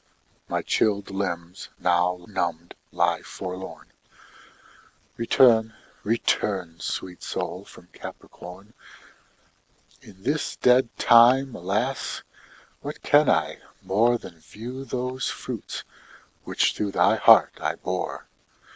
My chilled limbs now numbed lie forlorn; Return; return, sweet Sol, from Capricorn; In this dead time, alas, what can I more Than view those fruits which through thy heart I bore?